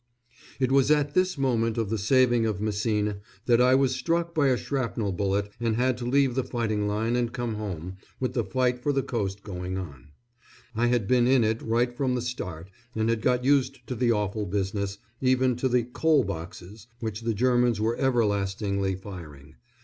It was at this moment of the saving of Messines that I was struck by a shrapnel bullet and had to leave the fighting line and come home, with the fight for the coast going on. I had been in it right from the start and had got used to the awful business, even to the "coal boxes," which the Germans were everlastingly firing.